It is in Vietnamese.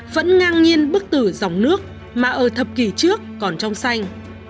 vẫn ngang nhiên bức tử dòng nước mà ở thập kỷ trước còn trong xanh